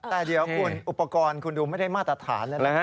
แต่เดี๋ยวคุณอุปกรณ์คุณดูไม่ได้มาตรฐานเลยนะฮะ